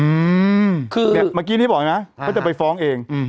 เมื่อกี้นี่บอกนะเขาจะไปฟ้องเอง